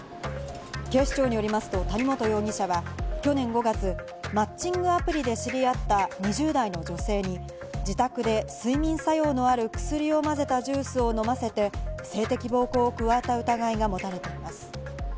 警視庁によりますと谷本容疑者は去年５月、マッチングアプリで知り合った２０代の女性に自宅で睡眠作用のある薬を混ぜたジュースを飲ませて、性的暴行を加えた疑いが持たれています。